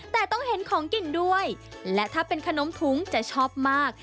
แต่ต้องเห็นของกินด้วยและถ้าเป็นขนมถุงจะชอบมาก